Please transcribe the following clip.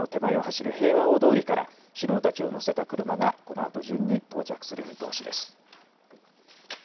この手前を走る平和大通りから首脳たちを乗せた車がこのあと順に到着する見通しです。